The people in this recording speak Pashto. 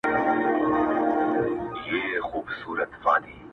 اوس و خپلو ته پردی او بېګانه دی،